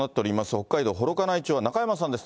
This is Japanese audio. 北海道幌加内町には中山さんです。